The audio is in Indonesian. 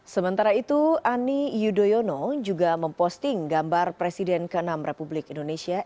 sementara itu ani yudhoyono juga memposting gambar presiden ke enam republik indonesia